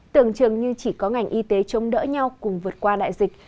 tưởng chừng như chỉ có ngành y tế chống đỡ nhau cùng vượt qua đại dịch